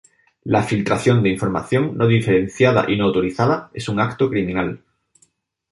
La filtración de información no diferenciada y no autorizada es un acto criminal".